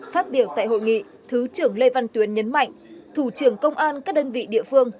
phát biểu tại hội nghị thứ trưởng lê văn tuyến nhấn mạnh thủ trưởng công an các đơn vị địa phương